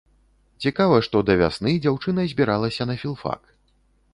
Цікава, што да вясны дзяўчына збіралася на філфак.